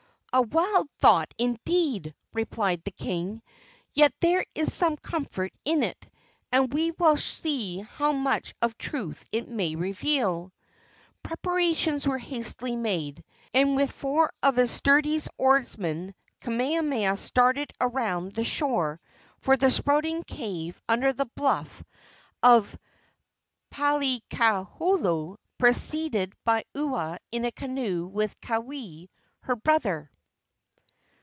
"A wild thought, indeed!" replied the king; "yet there is some comfort in it, and we will see how much of truth it may reveal." Preparations were hastily made, and with four of his sturdiest oarsmen Kamehameha started around the shore for the Spouting Cave under the bluff of Palikaholo, preceded by Ua in a canoe with Keawe, her brother.